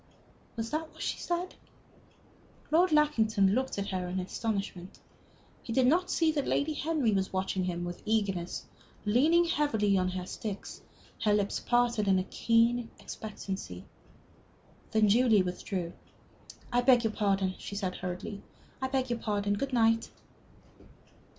Was that what she said? Lord Lackington looked at her in astonishment. He did not see that Lady Henry was watching them with eagerness, leaning heavily on her sticks, her lips parted in a keen expectancy. Then Julie withdrew. "I beg your pardon," she said, hurriedly. "I beg your pardon. Good night."